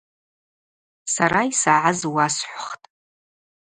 Сара йсагӏаз уасхӏвхтӏ.